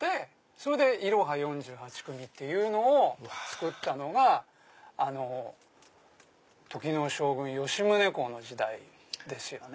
それでいろは４８組っていうのをつくったのが時の将軍吉宗公の時代ですよね。